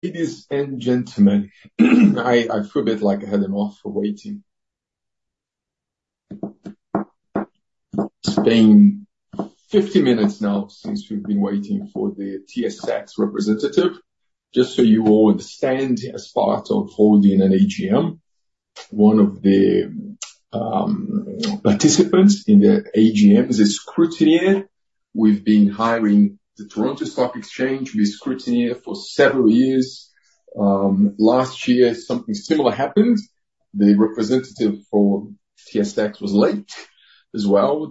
Ladies and gentlemen, I feel a bit like I had an awful waiting. It's been 50 minutes now since we've been waiting for the TSX representative. Just so you all understand, as part of holding an AGM, one of the participants in the AGM is a scrutineer. We've been hiring the Toronto Stock Exchange with scrutineer for several years. Last year, something similar happened. The representative for TSX was late as well.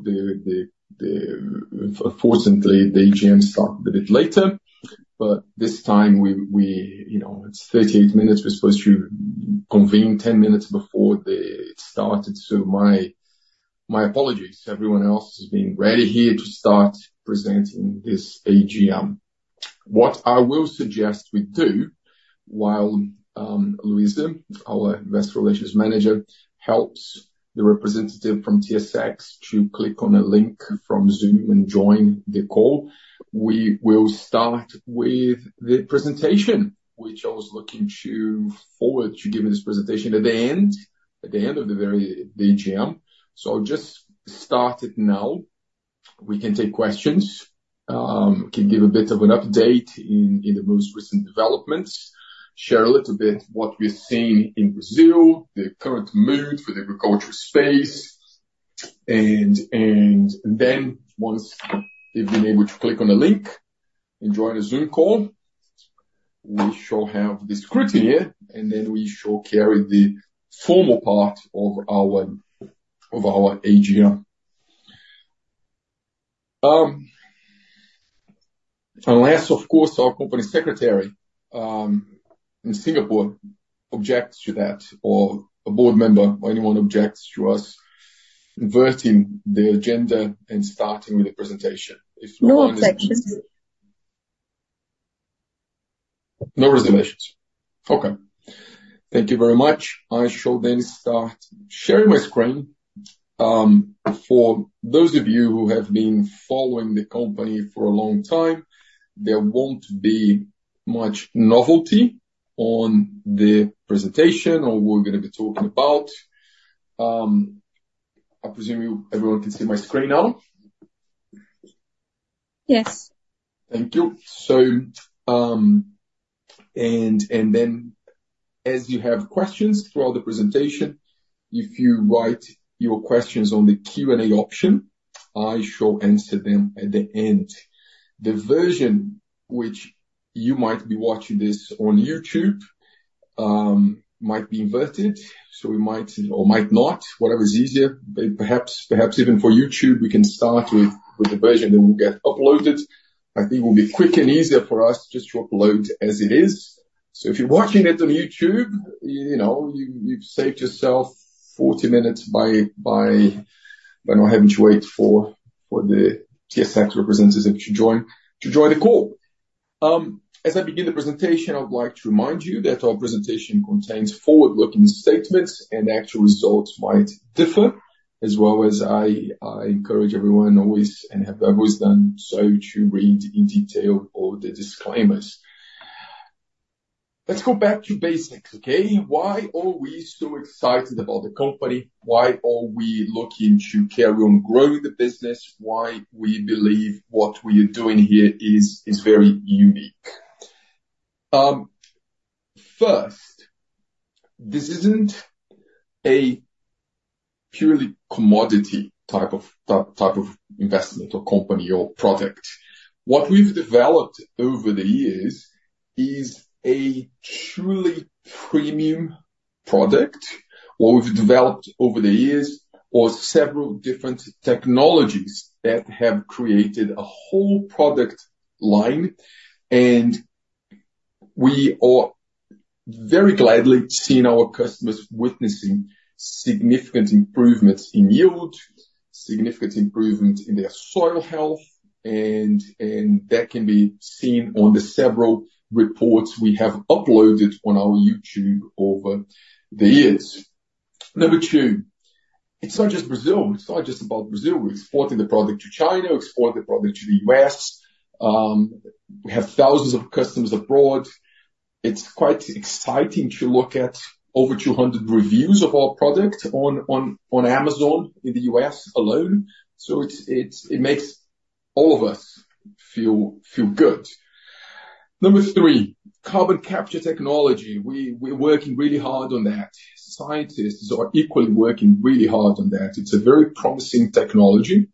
Unfortunately, the AGM started a bit later. But this time, it's 38 minutes. We're supposed to convene 10 minutes before it started. So my apologies. Everyone else has been ready here to start presenting this AGM. What I will suggest we do, while Luiza, our investor relations manager, helps the representative from TSX to click on a link from Zoom and join the call, we will start with the presentation, which I was looking forward to giving this presentation at the end of the AGM. So I'll just start it now. We can take questions. We can give a bit of an update in the most recent developments, share a little bit what we've seen in Brazil, the current mood for the agriculture space. And then, once they've been able to click on a link and join a Zoom call, we shall have the scrutineer, and then we shall carry the formal part of our AGM. Unless, of course, our company secretary in Singapore objects to that, or a board member or anyone objects to us inverting the agenda and starting with a presentation. If no one else. No objections. No reservations. Okay. Thank you very much. I shall then start sharing my screen. For those of you who have been following the company for a long time, there won't be much novelty on the presentation or what we're going to be talking about. I presume everyone can see my screen now. Yes. Thank you. And then, as you have questions throughout the presentation, if you write your questions on the Q&A option, I shall answer them at the end. The version which you might be watching this on YouTube might be inverted, so we might or might not. Whatever is easier. Perhaps even for YouTube, we can start with the version that will get uploaded. I think it will be quick and easier for us just to upload as it is. So if you're watching it on YouTube, you've saved yourself 40 minutes by not having to wait for the TSX representative to join the call. As I begin the presentation, I'd like to remind you that our presentation contains forward-looking statements, and actual results might differ, as well as I encourage everyone always and have always done so to read in detail all the disclaimers. Let's go back to basics, okay? Why are we so excited about the company? Why are we looking to carry on growing the business? Why do we believe what we are doing here is very unique? First, this isn't a purely commodity type of investment or company or product. What we've developed over the years is a truly premium product, what we've developed over the years, or several different technologies that have created a whole product line. We are very gladly seeing our customers witnessing significant improvements in yield, significant improvement in their soil health, and that can be seen on the several reports we have uploaded on our YouTube over the years. Number two, it's not just Brazil. It's not just about Brazil. We're exporting the product to China. We export the product to the U.S. We have thousands of customers abroad. It's quite exciting to look at over 200 reviews of our product on Amazon in the U.S. alone. So it makes all of us feel good. Number three, carbon capture technology. We're working really hard on that. Scientists are equally working really hard on that. It's a very promising technology.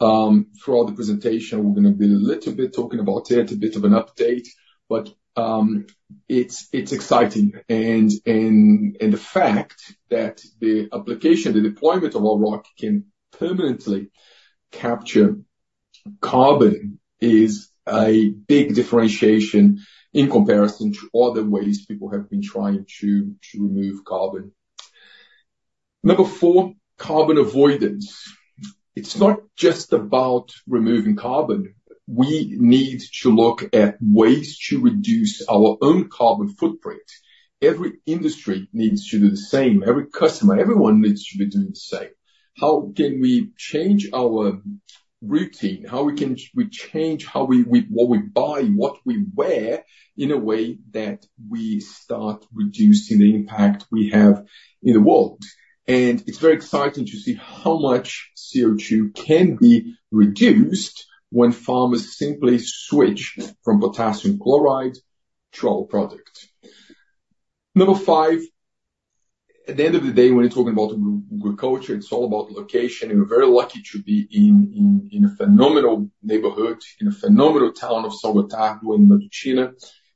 Throughout the presentation, we're going to be a little bit talking about it, a bit of an update, but it's exciting. And the fact that the application, the deployment of our rock can permanently capture carbon is a big differentiation in comparison to other ways people have been trying to remove carbon. Number four, carbon avoidance. It's not just about removing carbon. We need to look at ways to reduce our own carbon footprint. Every industry needs to do the same. Every customer, everyone needs to be doing the same. How can we change our routine? How can we change what we buy, what we wear, in a way that we start reducing the impact we have in the world? And it's very exciting to see how much CO2 can be reduced when farmers simply switch from potassium chloride to our product. Number five, at the end of the day, when you're talking about agriculture, it's all about location. We're very lucky to be in a phenomenal neighborhood, in a phenomenal town of São Gotardo e Matutina,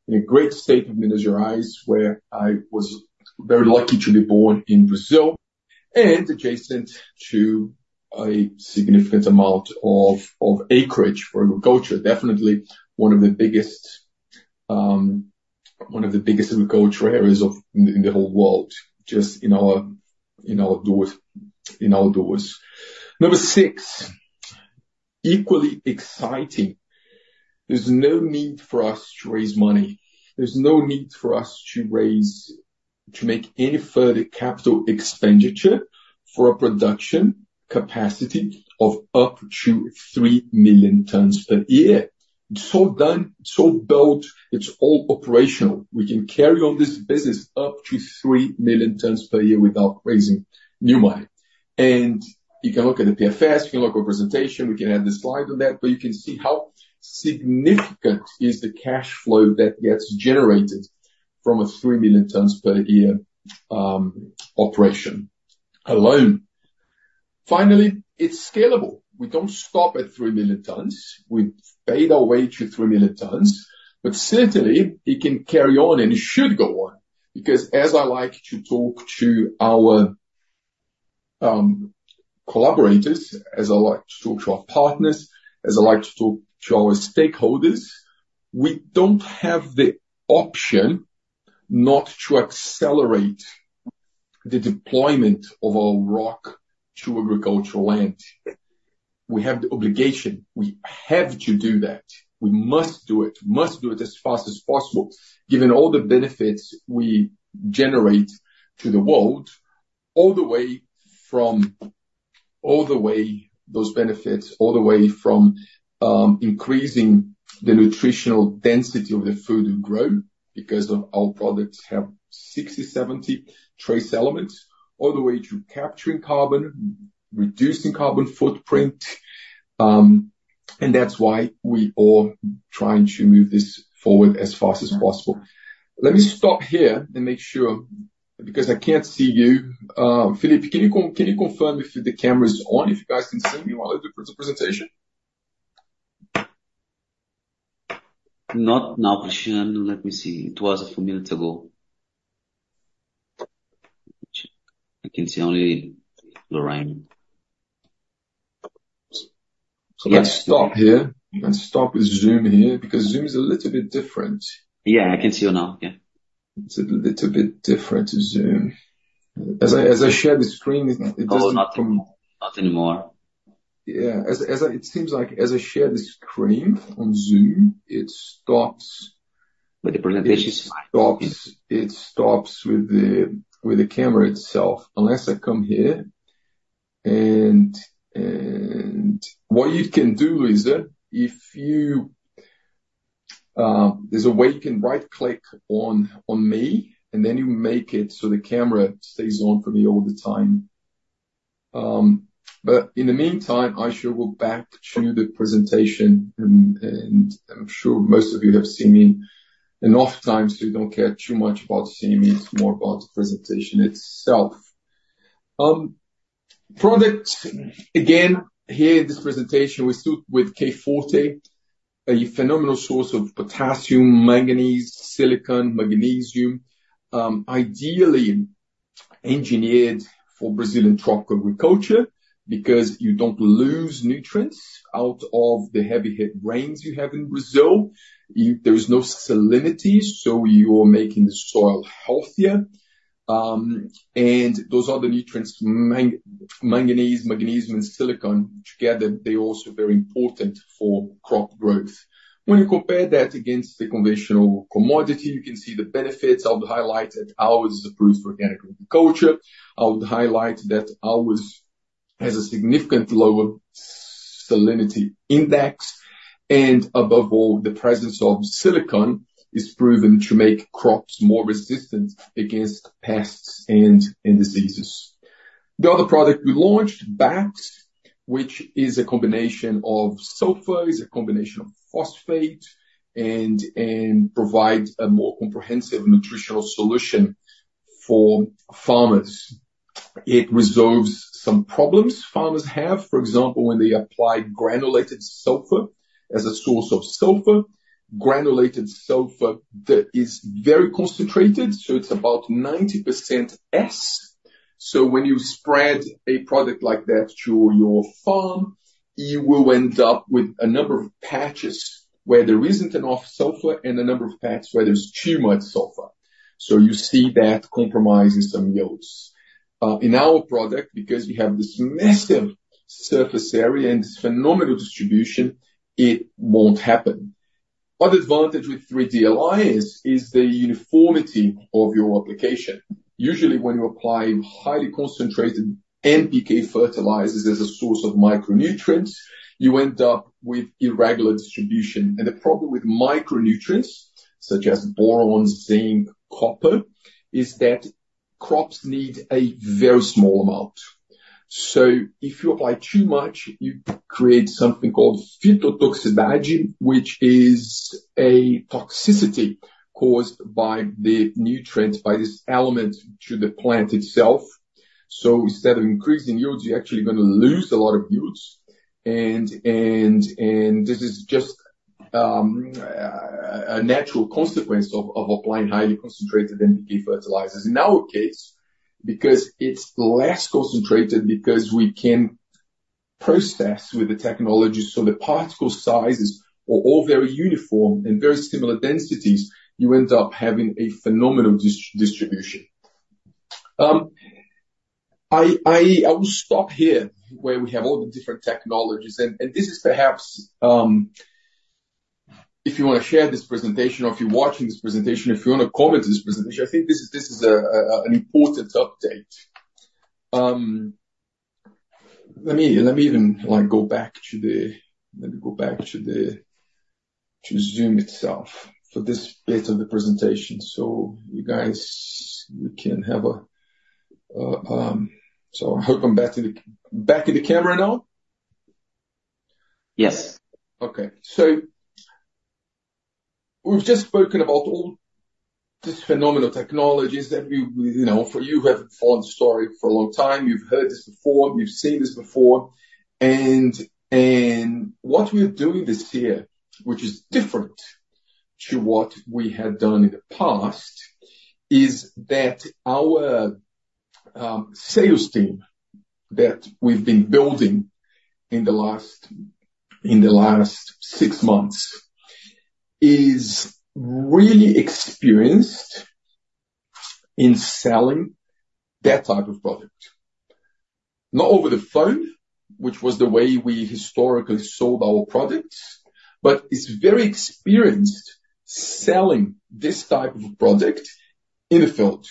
in a great state of Minas Gerais, where I was very lucky to be born in Brazil, and adjacent to a significant amount of acreage for agriculture. Definitely one of the biggest agricultural areas in the whole world, just in our doors. Number six, equally exciting. There's no need for us to raise money. There's no need for us to make any further capital expenditure for a production capacity of up to 3 million tons per year. It's all done. It's all built. It's all operational. We can carry on this business up to 3 million tons per year without raising new money. You can look at the PFS. You can look at the presentation. We can add the slide on that, but you can see how significant is the cash flow that gets generated from a 3 million tons per year operation alone. Finally, it's scalable. We don't stop at 3 million tons. We've made our way to 3 million tons, but certainly, it can carry on, and it should go on. Because as I like to talk to our collaborators, as I like to talk to our partners, as I like to talk to our stakeholders, we don't have the option not to accelerate the deployment of our rock to agricultural land. We have the obligation. We have to do that. We must do it. We must do it as fast as possible, given all the benefits we generate to the world, all the way from those benefits, all the way from increasing the nutritional density of the food we grow because our products have 60, 70 trace elements, all the way to capturing carbon, reducing carbon footprint. And that's why we are trying to move this forward as fast as possible. Let me stop here and make sure, because I can't see you. Filipe, can you confirm if the camera is on, if you guys can see me while I do the presentation? Not now, Cristiano. Let me see. It was a few minutes ago. I can see only Lorraine. Let's stop here. Let's stop with Zoom here because Zoom is a little bit different. Yeah, I can see you now. Yeah. It's a little bit different to Zoom. As I share the screen, it doesn't come. Not anymore. Yeah. It seems like as I share the screen on Zoom, it stops- With the presentation. It stops with the camera itself unless I come here. And what you can do, Luisa, if you, there's a way you can right-click on me, and then you make it so the camera stays on for me all the time. But in the meantime, I shall go back to the presentation. And I'm sure most of you have seen me enough times, so you don't care too much about seeing me. It's more about the presentation itself. Product, again, here in this presentation, we're stuck with K Forte, a phenomenal source of potassium, manganese, silicon, magnesium, ideally engineered for Brazilian tropical culture because you don't lose nutrients out of the heavy-hit rains you have in Brazil. There is no salinity, so you are making the soil healthier. And those other nutrients, manganese, magnesium, and silicon together, they are also very important for crop growth. When you compare that against the conventional commodity, you can see the benefits. I would highlight that ours is approved for organic agriculture. I would highlight that ours has a significantly lower salinity index. And above all, the presence of silicon is proven to make crops more resistant against pests and diseases. The other product we launched, BAKS, which is a combination of sulfur, is a combination of phosphate, and provides a more comprehensive nutritional solution for farmers. It resolves some problems farmers have, for example, when they apply granulated sulfur as a source of sulfur. Granulated sulfur that is very concentrated, so it's about 90% S. So when you spread a product like that to your farm, you will end up with a number of patches where there isn't enough sulfur and a number of patches where there's too much sulfur. So you see that compromises some yields. In our product, because we have this massive surface area and this phenomenal distribution, it won't happen. Other advantage with 3DLI is the uniformity of your application. Usually, when you apply highly concentrated NPK fertilizers as a source of micronutrients, you end up with irregular distribution. The problem with micronutrients, such as boron, zinc, copper, is that crops need a very small amount. If you apply too much, you create something called phytotoxicity, which is a toxicity caused by the nutrients, by this element to the plant itself. Instead of increasing yields, you're actually going to lose a lot of yields. This is just a natural consequence of applying highly concentrated NPK fertilizers in our case because it's less concentrated because we can process with the technology. The particle sizes are all very uniform and very similar densities. You end up having a phenomenal distribution. I will stop here where we have all the different technologies. This is perhaps, if you want to share this presentation, or if you're watching this presentation, if you want to comment on this presentation, I think this is an important update. Let me even go back to the, let me go back to the Zoom itself for this bit of the presentation. So you guys, we can have a, so I hope I'm back in the camera now. Yes. Okay. So we've just spoken about all these phenomenal technologies that for you who have followed the story for a long time, you've heard this before, you've seen this before. What we're doing this year, which is different to what we had done in the past, is that our sales team that we've been building in the last six months is really experienced in selling that type of product. Not over the phone, which was the way we historically sold our products, but it's very experienced selling this type of product in the field.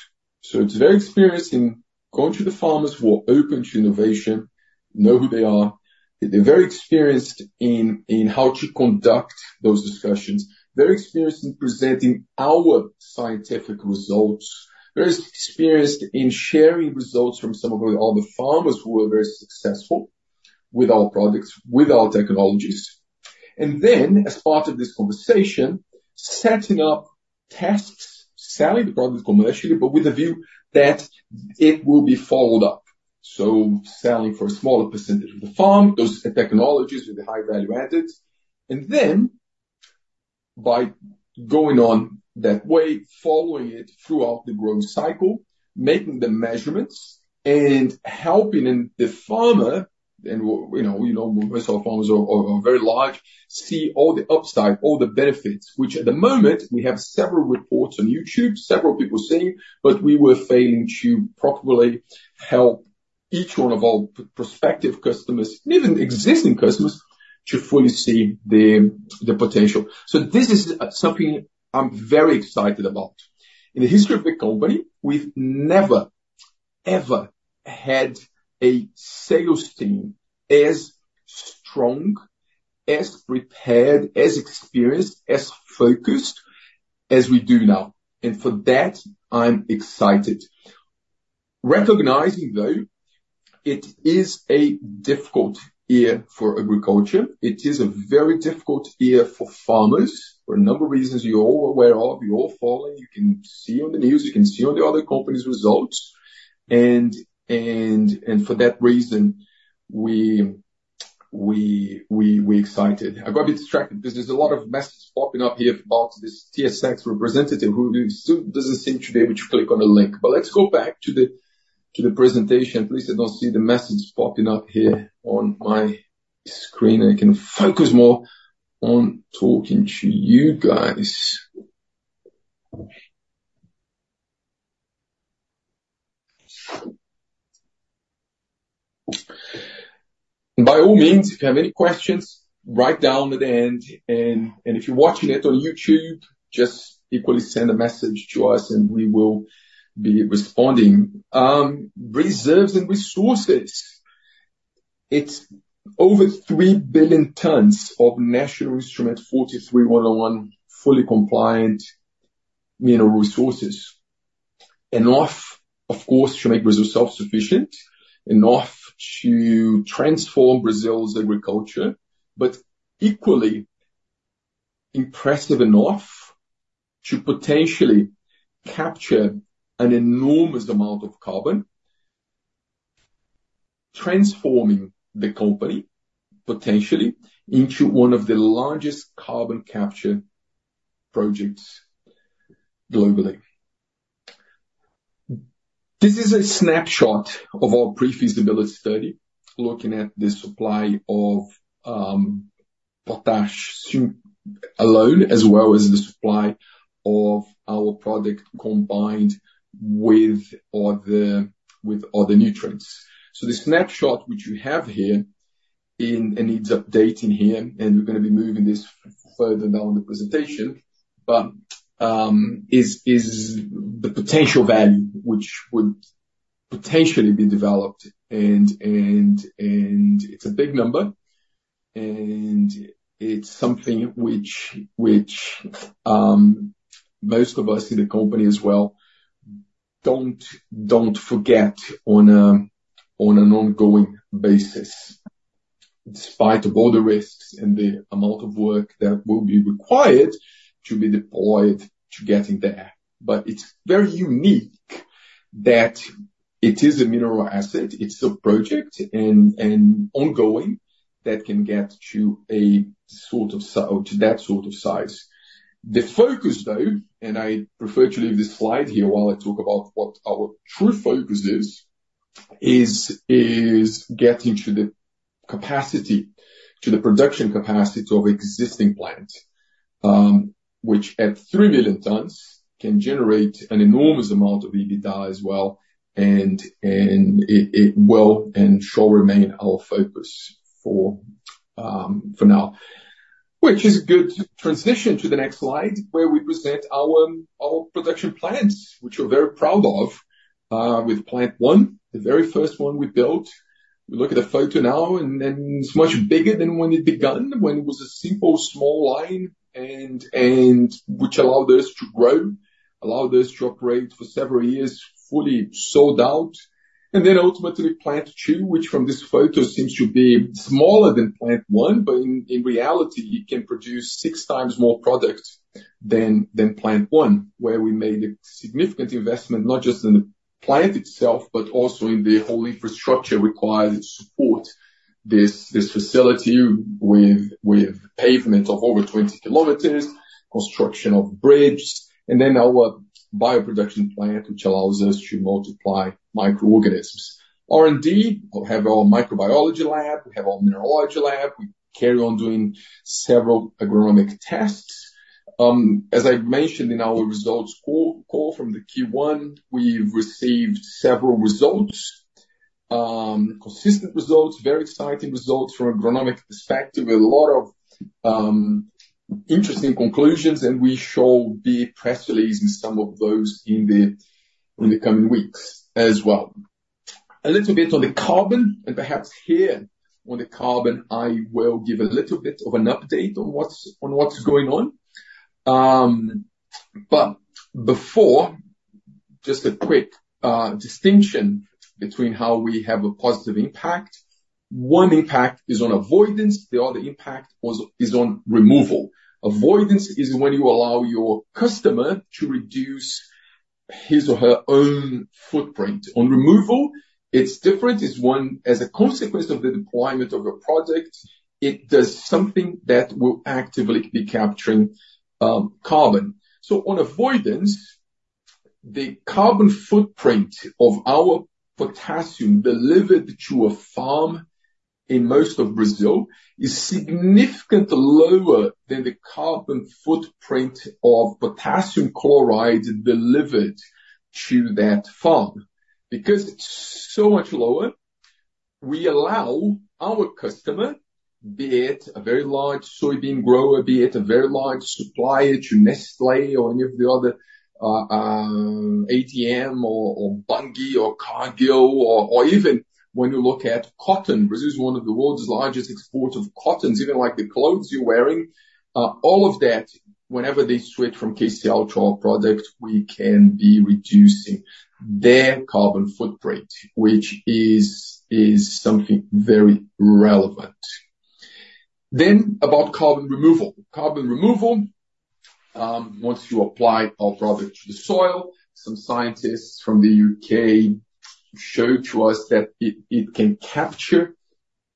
It's very experienced in going to the farmers who are open to innovation, know who they are. They're very experienced in how to conduct those discussions, very experienced in presenting our scientific results, very experienced in sharing results from some of the other farmers who were very successful with our products, with our technologies. Then, as part of this conversation, setting up tests, selling the product commercially, but with the view that it will be followed up. So selling for a smaller percentage of the farm, those technologies with the high-value added. Then, by going on that way, following it throughout the growth cycle, making the measurements and helping the farmer. And we know most of our farmers are very large, see all the upside, all the benefits, which at the moment, we have several reports on YouTube, several people saying, but we were failing to properly help each one of our prospective customers, even existing customers, to fully see the potential. So this is something I'm very excited about. In the history of the company, we've never, ever had a sales team as strong, as prepared, as experienced, as focused as we do now. And for that, I'm excited. Recognizing, though, it is a difficult year for agriculture. It is a very difficult year for farmers for a number of reasons you're all aware of. You're all following. You can see on the news. You can see on the other companies' results. And for that reason, we're excited. I got a bit distracted because there's a lot of messages popping up here about this TSX representative who doesn't seem to be able to click on a link. But let's go back to the presentation. At least I don't see the messages popping up here on my screen. I can focus more on talking to you guys. By all means, if you have any questions, write down at the end. And if you're watching it on YouTube, just equally send a message to us, and we will be responding. Reserves and resources. It's over 3 billion tons of National Instrument 43-101 fully compliant mineral resources. Enough, of course, to make Brazil self-sufficient, enough to transform Brazil's agriculture, but equally impressive enough to potentially capture an enormous amount of carbon, transforming the company potentially into one of the largest carbon capture projects globally. This is a snapshot of our pre-feasibility study looking at the supply of potash alone, as well as the supply of our product combined with other nutrients. So the snapshot which you have here, and it's updating here, and we're going to be moving this further down the presentation, but is the potential value which would potentially be developed. It's a big number. It's something which most of us in the company as well don't forget on an ongoing basis, despite all the risks and the amount of work that will be required to be deployed to get it there. But it's very unique that it is a mineral asset. It's a project and ongoing that can get to that sort of size. The focus, though, and I prefer to leave this slide here while I talk about what our true focus is, is getting to the capacity, to the production capacity of existing plants, which at 3 million tons can generate an enormous amount of EBITDA as well. And it will and shall remain our focus for now, which is a good transition to the next slide where we present our production plants, which we're very proud of, with Plant 1, the very first one we built. We look at the photo now, and it's much bigger than when it began, when it was a simple small line which allowed us to grow, allowed us to operate for several years fully sold out. And then ultimately, Plant 2, which from this photo seems to be smaller than Plant 1, but in reality, it can produce 6x more product than Plant 1, where we made a significant investment, not just in the plant itself, but also in the whole infrastructure required to support this facility with pavement of over 20 km, construction of bridges, and then our bio production plant, which allows us to multiply microorganisms. R&D, we have our microbiology lab. We have our mineralogy lab. We carry on doing several agronomic tests. As I mentioned in our results call from the Q1, we've received several results, consistent results, very exciting results from an agronomic perspective, a lot of interesting conclusions, and we shall be press releasing some of those in the coming weeks as well. A little bit on the carbon, and perhaps here on the carbon, I will give a little bit of an update on what's going on. But before, just a quick distinction between how we have a positive impact. One impact is on avoidance. The other impact is on removal. Avoidance is when you allow your customer to reduce his or her own footprint. On removal, it's different. It's one as a consequence of the deployment of your product. It does something that will actively be capturing carbon. So on avoidance, the carbon footprint of our potassium delivered to a farm in most of Brazil is significantly lower than the carbon footprint of potassium chloride delivered to that farm. Because it's so much lower, we allow our customer, be it a very large soybean grower, be it a very large supplier to Nestlé or any of the other ADM or Bunge or Cargill, or even when you look at cotton, which is one of the world's largest exporters of cotton, even like the clothes you're wearing, all of that, whenever they switch from KCl to our product, we can be reducing their carbon footprint, which is something very relevant. Then about carbon removal. Carbon removal, once you apply our product to the soil, some scientists from the U.K. showed to us that it can capture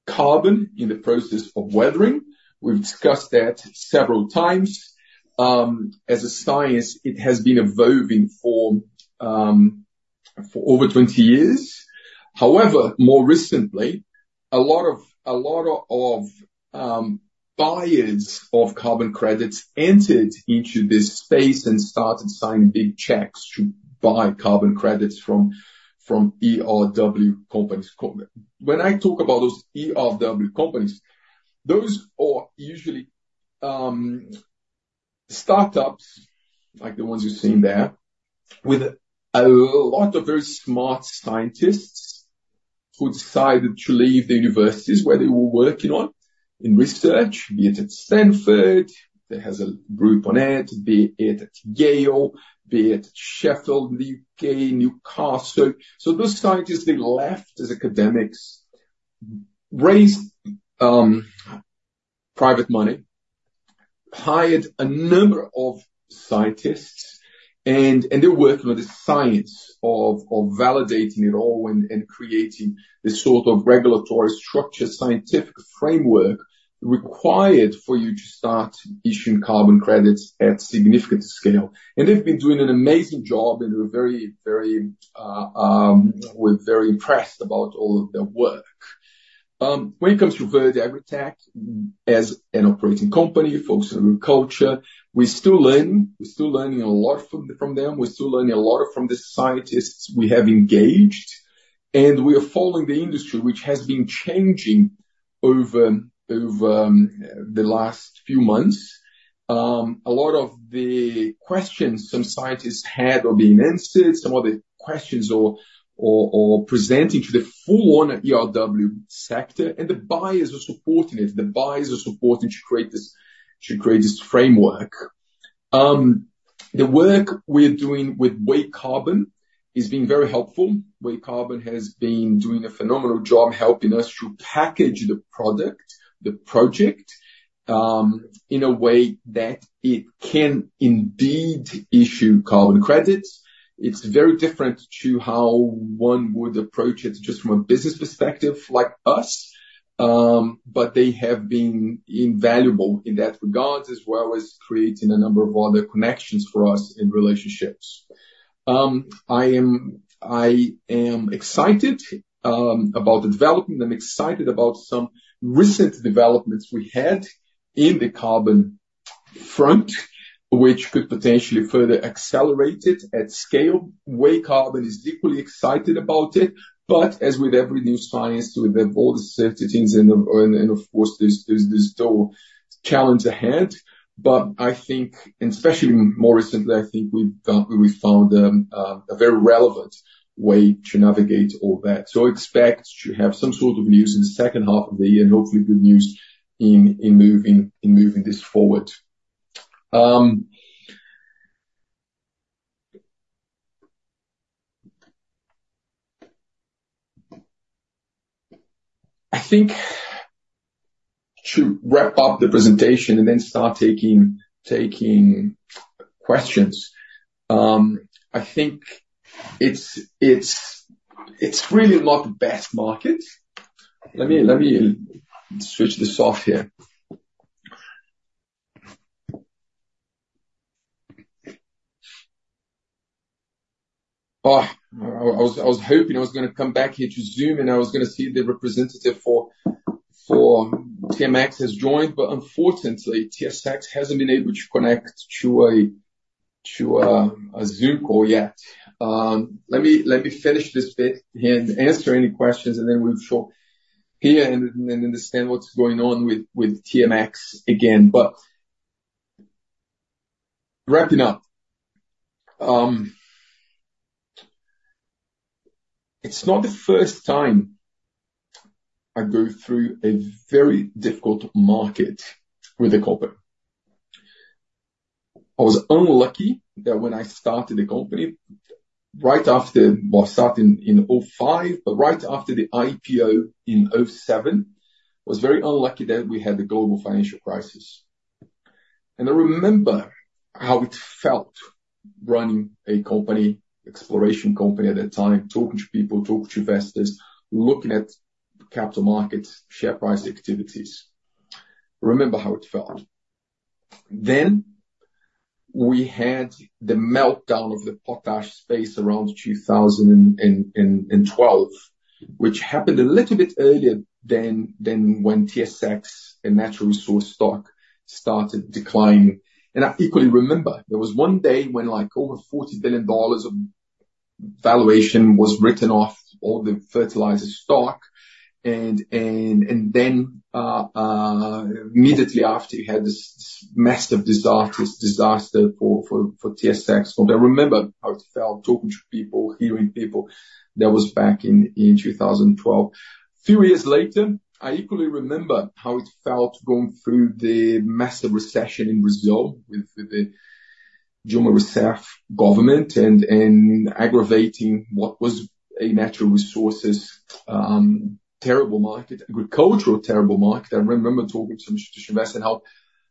carbon in the process of weathering. We've discussed that several times. As a science, it has been evolving for over 20 years. However, more recently, a lot of buyers of carbon credits entered into this space and started signing big checks to buy carbon credits from ERW companies. When I talk about those ERW companies, those are usually startups, like the ones you've seen there, with a lot of very smart scientists who decided to leave the universities where they were working on in research, be it at Stanford, they have a group on it, be it at Yale, be it at Sheffield in the U.K., Newcastle. So those scientists, they left as academics, raised private money, hired a number of scientists, and they're working on the science of validating it all and creating this sort of regulatory structure, scientific framework required for you to start issuing carbon credits at significant scale. And they've been doing an amazing job, and we're very impressed about all of their work. When it comes to Verde AgriTech, as an operating company, focusing on agriculture, we're still learning. We're still learning a lot from them. We're still learning a lot from the scientists we have engaged. And we are following the industry, which has been changing over the last few months. A lot of the questions some scientists had are being answered. Some of the questions are presenting to the full-on ERW sector, and the buyers are supporting it. The buyers are supporting to create this framework. The work we're doing with WayCarbon is being very helpful. WayCarbon has been doing a phenomenal job helping us to package the product, the project, in a way that it can indeed issue carbon credits. It's very different to how one would approach it just from a business perspective like us, but they have been invaluable in that regard, as well as creating a number of other connections for us and relationships. I am excited about the development. I'm excited about some recent developments we had in the carbon front, which could potentially further accelerate it at scale. WayCarbon is equally excited about it. But as with every new science, with all the certainties and, of course, there's still challenges ahead. But I think, and especially more recently, I think we found a very relevant way to navigate all that. So I expect to have some sort of news in the second half of the year, and hopefully good news in moving this forward. I think to wrap up the presentation and then start taking questions, I think it's really not the best market. Let me switch this off here. I was hoping I was going to come back here to Zoom, and I was going to see the representative for TSX has joined, but unfortunately, TSX hasn't been able to connect to a Zoom call yet. Let me finish this bit here and answer any questions, and then we'll show here and understand what's going on with TSX again. But wrapping up, it's not the first time I go through a very difficult market with the company. I was unlucky that when I started the company, right after starting in 2005, but right after the IPO in 2007, I was very unlucky that we had the global financial crisis. I remember how it felt running a company, exploration company at that time, talking to people, talking to investors, looking at capital markets, share price activities. I remember how it felt. Then we had the meltdown of the potash space around 2012, which happened a little bit earlier than when TSX, a natural resource stock, started declining. I equally remember there was one day when over $40 billion of valuation was written off all the fertilizer stock. Then immediately after, you had this massive disaster for TSX. I remember how it felt talking to people, hearing people that was back in 2012. A few years later, I equally remember how it felt going through the massive recession in Brazil with the Dilma Rousseff government and aggravating what was a natural resources terrible market, agricultural terrible market. I remember talking to some institutional investors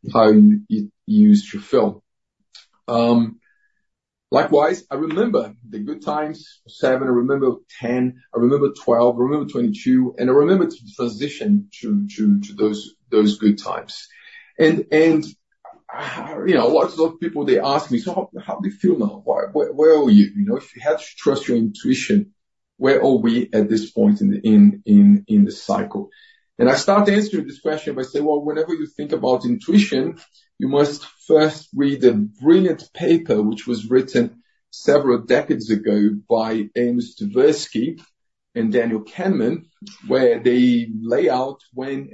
and how you used your film. Likewise, I remember the good times 2007. I remember 2010. I remember 2012. I remember 2022. I remember the transition to those good times. And lots of people, they ask me, "So how do you feel now? Where are you?" If you had to trust your intuition, where are we at this point in the cycle? And I start answering this question by saying, "Well, whenever you think about intuition, you must first read the brilliant paper which was written several decades ago by Amos Tversky and Daniel Kahneman, where they lay out when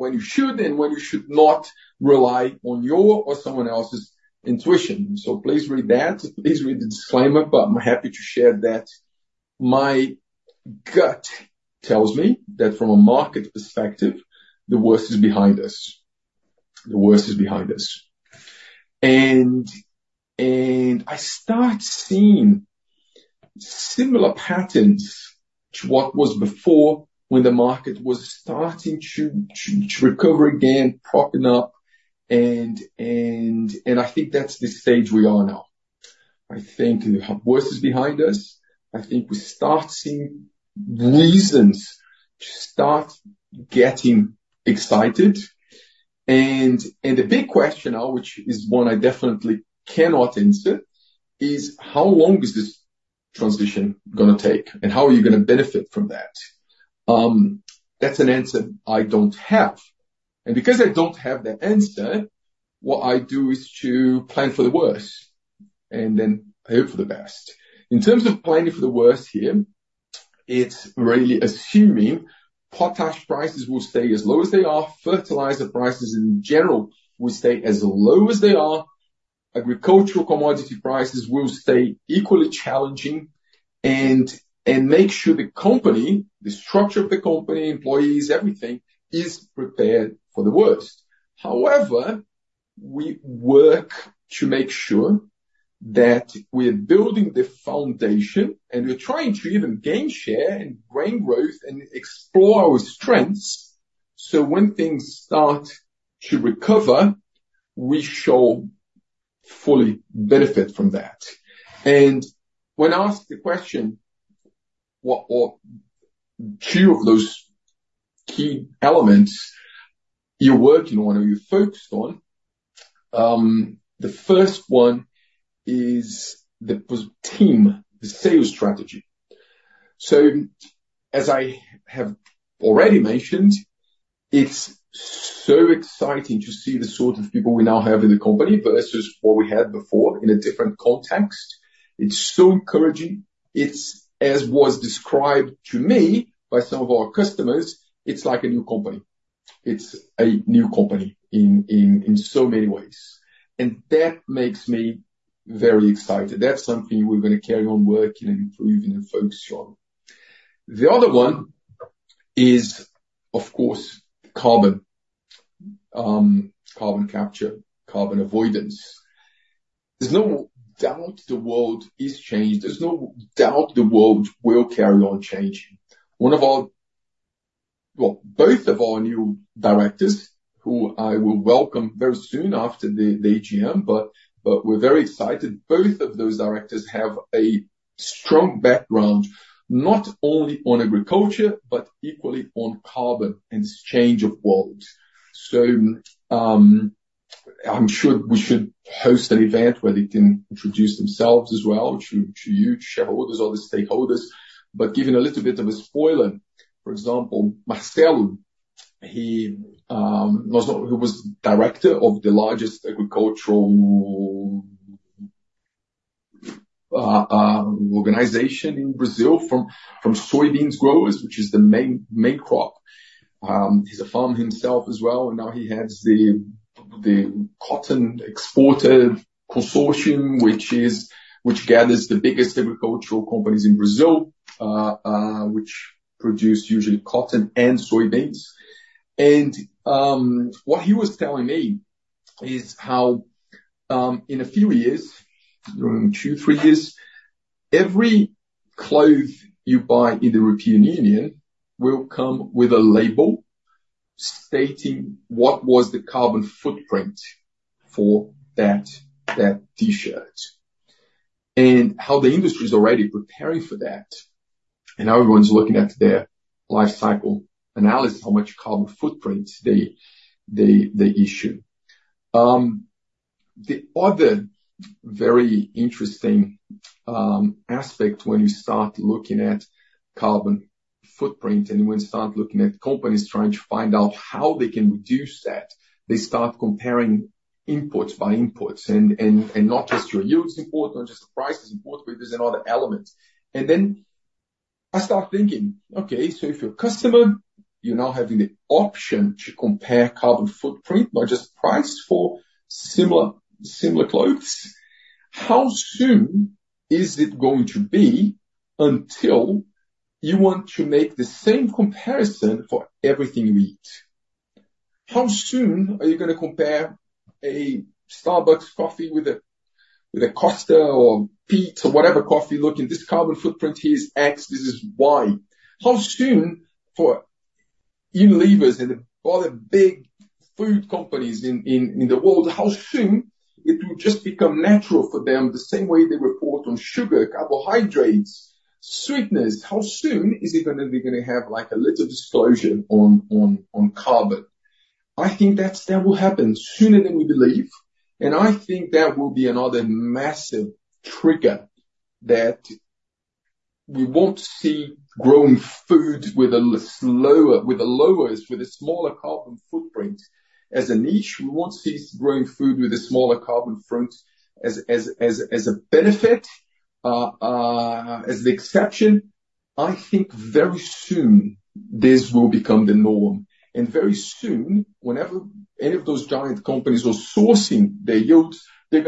you should and when you should not rely on your or someone else's intuition. So please read that. Please read the disclaimer." But I'm happy to share that my gut tells me that from a market perspective, the worst is behind us. The worst is behind us. And I start seeing similar patterns to what was before when the market was starting to recover again, propping up. And I think that's the stage we are now. I think the worst is behind us. I think we're starting to see reasons to start getting excited. And the big question now, which is one I definitely cannot answer, is how long is this transition going to take and how are you going to benefit from that? That's an answer I don't have. And because I don't have that answer, what I do is to plan for the worst and then hope for the best. In terms of planning for the worst here, it's really assuming potash prices will stay as low as they are, fertilizer prices in general will stay as low as they are, agricultural commodity prices will stay equally challenging, and make sure the company, the structure of the company, employees, everything is prepared for the worst. However, we work to make sure that we are building the foundation and we're trying to even gain share and growth and explore our strengths. When things start to recover, we shall fully benefit from that. When asked the question, "What are two of those key elements you're working on or you're focused on?" The first one is the team, the sales strategy. As I have already mentioned, it's so exciting to see the sort of people we now have in the company versus what we had before in a different context. It's so encouraging. It's, as was described to me by some of our customers, it's like a new company. It's a new company in so many ways. That makes me very excited. That's something we're going to carry on working and improving and focus on. The other one is, of course, carbon, carbon capture, carbon avoidance. There's no doubt the world is changing. There's no doubt the world will carry on changing. Well, both of our new directors, who I will welcome very soon after the AGM, but we're very excited, both of those directors have a strong background not only on agriculture, but equally on carbon and change of world. So I'm sure we should host an event where they can introduce themselves as well to you, to shareholders, other stakeholders. But giving a little bit of a spoiler, for example, Marcelo, he was Director of the largest agricultural organization in Brazil from soybeans growers, which is the main crop. He's a farmer himself as well. And now he has the cotton exporter consortium, which gathers the biggest agricultural companies in Brazil, which produce usually cotton and soybeans. What he was telling me is how in a few years, two or three years, every cloth you buy in the European Union will come with a label stating what was the carbon footprint for that T-shirt and how the industry is already preparing for that. Everyone's looking at their life cycle analysis, how much carbon footprint they issue. The other very interesting aspect when you start looking at carbon footprint and when you start looking at companies trying to find out how they can reduce that, they start comparing inputs by inputs. Not just your yield is important, not just the price is important, but there's another element. Then I start thinking, "Okay, so if you're a customer, you're now having the option to compare carbon footprint by just price for similar clothes. How soon is it going to be until you want to make the same comparison for everything you eat? How soon are you going to compare a Starbucks coffee with a Costa or Peet’s or whatever coffee looking? This carbon footprint here is X. This is Y. How soon for Unilever's and the other big food companies in the world, how soon it will just become natural for them the same way they report on sugar, carbohydrates, sweetness? How soon is it going to be going to have a little disclosure on carbon?" I think that will happen sooner than we believe. And I think that will be another massive trigger that we won't see growing food with a lower carbon footprint as a niche. We won't see growing food with a smaller carbon footprint as a benefit, as the exception. I think very soon this will become the norm. And very soon, whenever any of those giant companies are sourcing their yields, their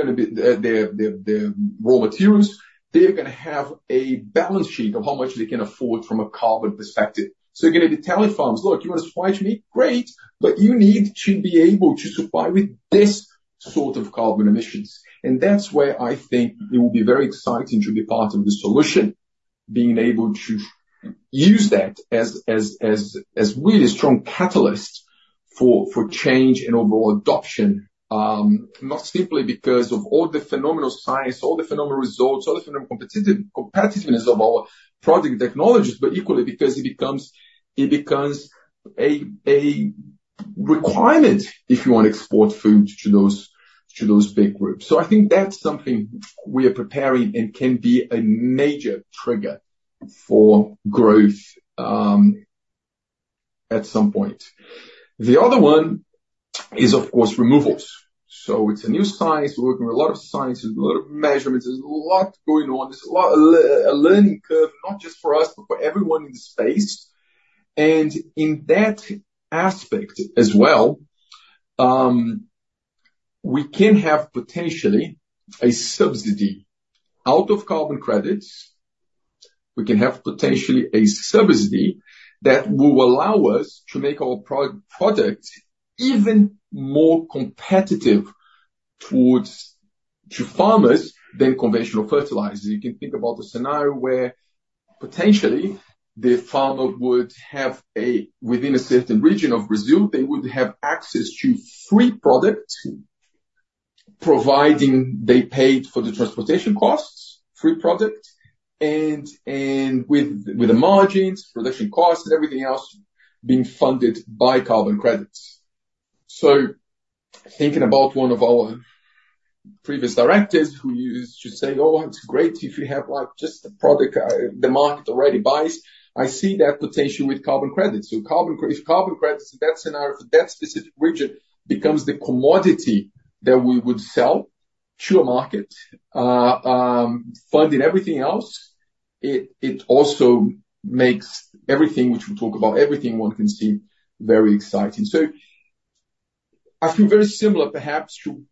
raw materials, they're going to have a balance sheet of how much they can afford from a carbon perspective. So they're going to be telling farms, "Look, you want to supply to me? Great. But you need to be able to supply with this sort of carbon emissions." And that's where I think it will be very exciting to be part of the solution, being able to use that as a really strong catalyst for change and overall adoption, not simply because of all the phenomenal science, all the phenomenal results, all the phenomenal competitiveness of our project technologies, but equally because it becomes a requirement if you want to export food to those big groups. So I think that's something we are preparing and can be a major trigger for growth at some point. The other one is, of course, removals. So it's a new science. We're working with a lot of science. There's a lot of measurements. There's a lot going on. There's a learning curve, not just for us, but for everyone in the space. And in that aspect as well, we can have potentially a subsidy out of carbon credits. We can have potentially a subsidy that will allow us to make our product even more competitive towards farmers than conventional fertilizers. You can think about a scenario where potentially the farmer would have a, within a certain region of Brazil, they would have access to free product, providing they paid for the transportation costs, free product, and with the margins, production costs, and everything else being funded by carbon credits. So thinking about one of our previous directors who used to say, "Oh, it's great if you have just the product the market already buys." I see that potential with carbon credits. So if carbon credits in that scenario for that specific region becomes the commodity that we would sell to a market, funding everything else, it also makes everything which we talk about, everything one can see, very exciting. So I feel very similar perhaps to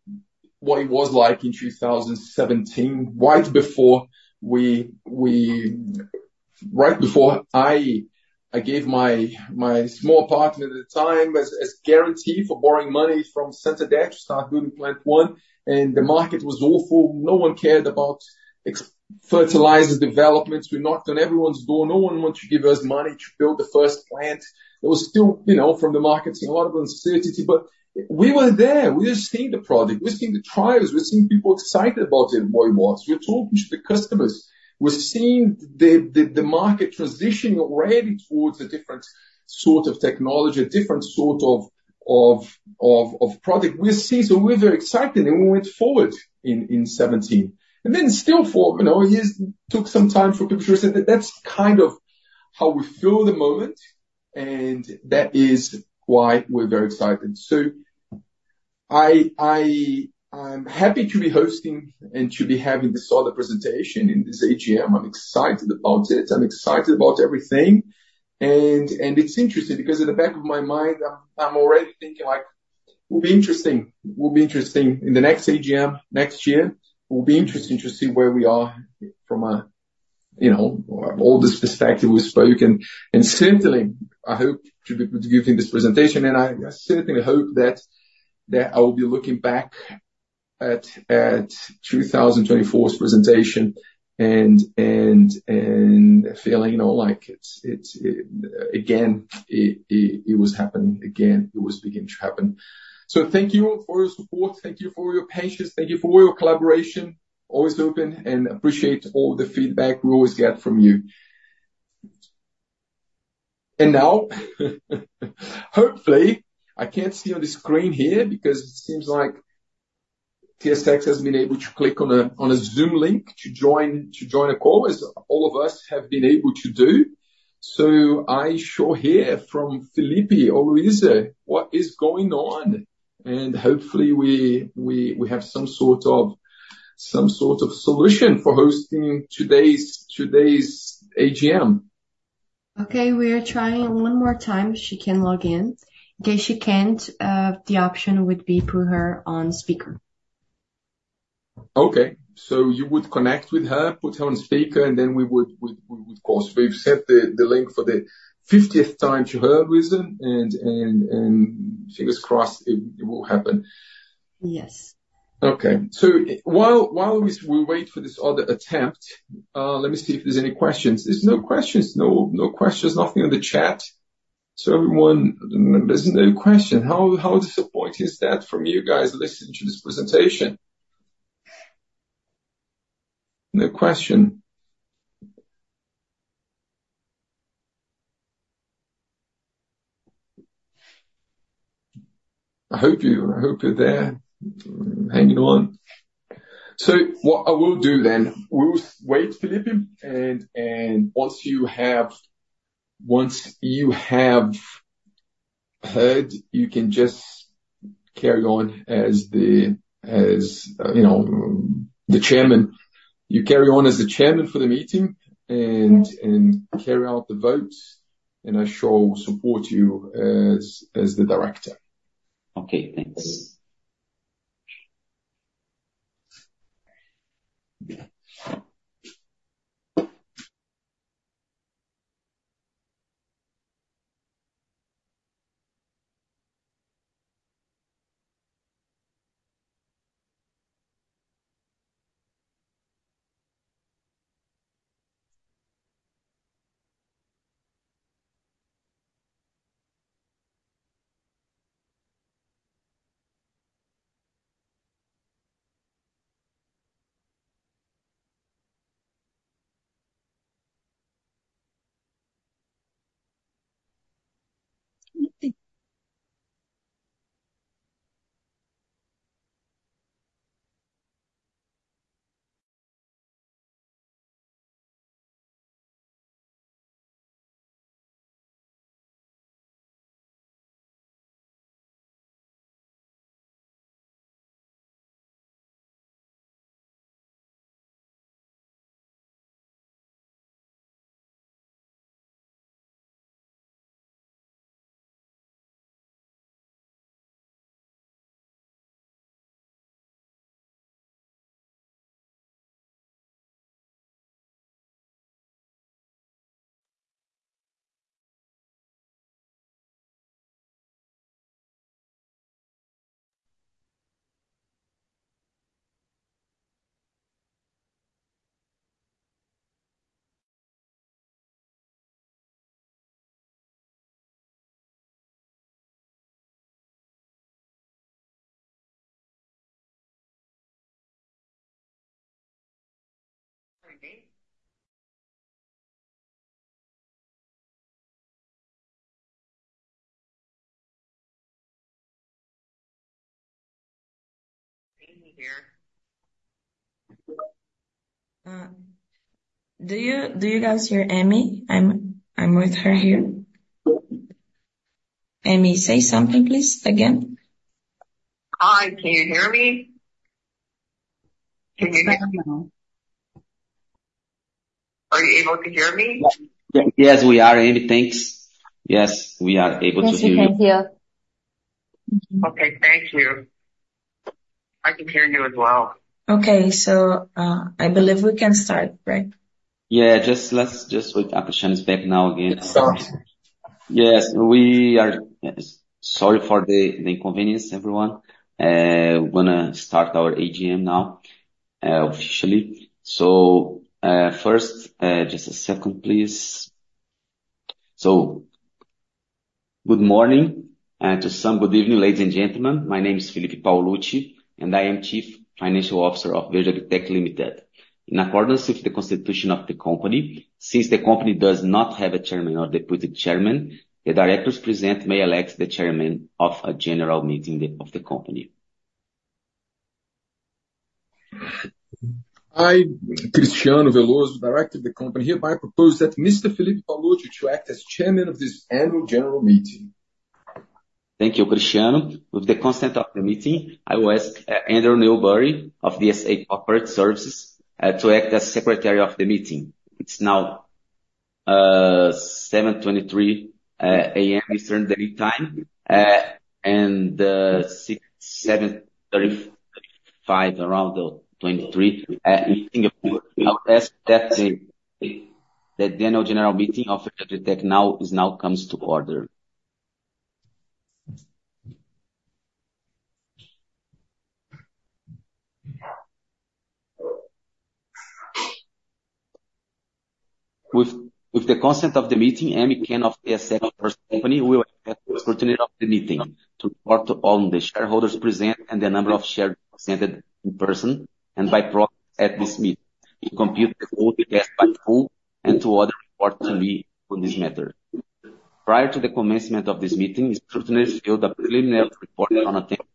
what it was like in 2017, right before I gave my small apartment at the time as guarantee for borrowing money from Santander to start building Plant 1. And the market was awful. No one cared about fertilizer developments. We knocked on everyone's door. No one wanted to give us money to build the first plant. There was still from the markets a lot of uncertainty. But we were there. We were seeing the project. We were seeing the trials. We were seeing people excited about it and what it was. We were talking to the customers. We were seeing the market transitioning already towards a different sort of technology, a different sort of product. So we were very excited, and we went forward in 2017. And then still for years took some time for people to say, "That's kind of how we feel at the moment." And that is why we're very excited. So I'm happy to be hosting and to be having this other presentation in this AGM. I'm excited about it. I'm excited about everything. And it's interesting because in the back of my mind, I'm already thinking like, "We'll be interesting. We'll be interesting in the next AGM next year. It will be interesting to see where we are from all this perspective we've spoken." Certainly, I hope to be giving this presentation. Certainly, I hope that I will be looking back at 2024's presentation and feeling like again, it was happening again. It was beginning to happen. Thank you for your support. Thank you for your patience. Thank you for your collaboration. Always open and appreciate all the feedback we always get from you. Now, hopefully, I can't see on the screen here because it seems like TSX has been able to click on a Zoom link to join a call, as all of us have been able to do. I shall hear from Filipe or Luiza what is going on. Hopefully, we have some sort of solution for hosting today's AGM. Okay. We are trying one more time, if she can log in. In case she can't, the option would be to put her on speaker. Okay. So you would connect with her, put her on speaker, and then we would, of course, we've sent the link for the 50th time to her, Luisa, and fingers crossed it will happen. Yes. Okay. So while we wait for this other attempt, let me see if there's any questions. There's no questions. No questions. Nothing in the chat. So everyone, there's no question. How disappointing is that for you guys listening to this presentation? No question. I hope you're there. Hanging on. So what I will do then, we'll wait, Felipe. And once you have heard, you can just carry on as the chairman. You carry on as the chairman for the meeting and carry out the vote. And I shall support you as the director. Okay. Thanks. Do you guys hear Amy? I'm with her here. Amy, say something, please, again. Hi. Can you hear me? Can you hear me? Are you able to hear me? Yes, we are. Amy, thanks. Yes, we are able to hear you. Okay. Thank you. Okay. Thank you. I can hear you as well. Okay. So I believe we can start, right? Yeah. Just wait. I'll share this back now again. I'm sorry. Yes. Sorry for the inconvenience, everyone. We're going to start our AGM now officially. First, just a second, please. Good morning to some, good evening, ladies and gentlemen. My name is Filipe Paolucci, and I am Chief Financial Officer of Verde AgriTech Ltd. In accordance with the constitution of the company, since the company does not have a chairman or deputy chairman, the directors present may elect the Chairman of a general meeting of the company. Hi. Cristiano Veloso, Director of the company here. I propose that Mr. Filipe Paolucci to act as chairman of this annual general meeting. Thank you, Cristiano. With the consent of the meeting, I will ask Andrew Newbury of DSA Corporate Services to act as secretary of the meeting. It's now 7:23 A.M. Eastern Daylight Time and 7:35 A.M., around 11:00 P.M. I would ask that the annual general meeting of Verde AgriTech now comes to order. With the consent of the meeting, Amy Kan of DSA Corporate Services will act as the spokesperson of the meeting to report on the shareholders present and the number of shares presented in person and by proxy at this meeting. We compute the full request by full and to other reports to me on this matter. Prior to the commencement of this meeting, the spokesperson has filed a preliminary report on attendance.